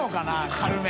軽め。